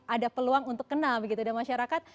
ada peluang untuk kena begitu ada masyarakat